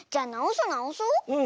うん。